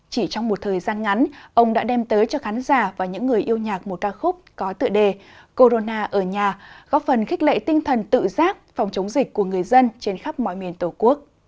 chỉ trong một thời gian ngắn ông đã đem tới cho khán giả và những người yêu nhạc một ca khúc có tựa đề corona ở nhà góp phần khích lệ tinh thần tự giác phòng chống dịch của người dân trên khắp mọi miền tổ quốc